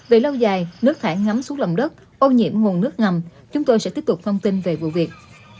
về lâu dài nước thải ngắm xuống lòng đất ô nhiễm nguồn nước ngầm chúng tôi sẽ tiếp tục thông tin về vụ việc